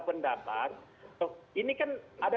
pendapat ini kan